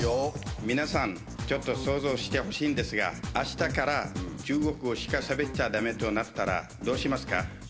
皆さん、ちょっと想像してほしいんですが、あしたから中国語しかしゃべっちゃだめとなったら、どうしますか？